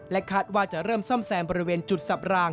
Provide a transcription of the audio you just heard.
คาดว่าจะเริ่มซ่อมแซมบริเวณจุดสับราง